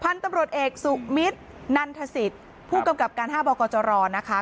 พันธุ์ตำรวจเอกสุมิตรนันทศิษย์ผู้กำกับการ๕บอกว่าจะรอนะคะ